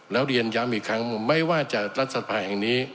แล้วเรียนย้ำอีกครั้งไม่ว่าจะรัฐสภาแห่งนี้